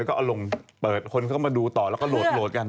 ก็เอาลงเปิดคนเข้ามาดูต่อแล้วก็โหลดกัน